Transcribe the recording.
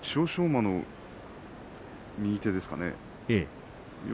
馬の右手ですかね。